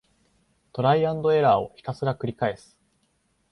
トライアンドエラーをひたすらくりかえす